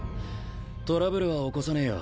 トラブルは起こさねえよ。